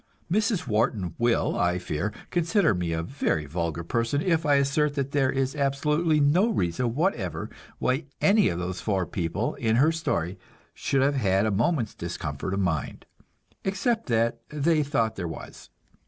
Mrs. Wharton will, I fear, consider me a very vulgar person if I assert that there is absolutely no reason whatever why any of those four people in her story should have had a moment's discomfort of mind, except that they thought there was.